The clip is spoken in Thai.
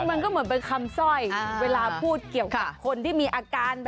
มันก็เหมือนเป็นคำสร้อยเวลาพูดเกี่ยวกับคนที่มีอาการ